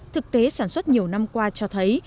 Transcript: thực tế sản xuất nhiều năm qua cho thấy